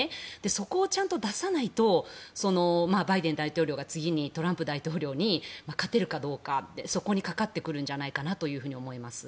そこをちゃんと出さないとバイデン大統領が次にトランプ大統領に勝てるかどうかってそこにかかってくるんじゃないかと思います。